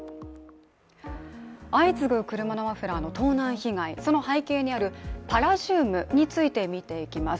相次ぐ車のマフラーの盗難被害、その背景にあるパラジウムについて見ていきます。